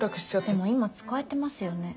でも今使えてますよね？